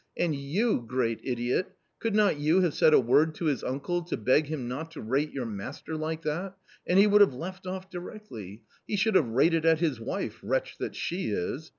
And you, great idiot, could not you have said a word to his uncle to beg him not to rate your master like that, and he would have left off directly. He should have rated at his wife, wretch that she is